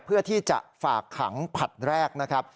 เพื่อที่จะฝากขังผลัดแรกนะครับ